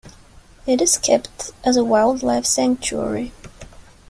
It is kept as a wildlife sanctuary.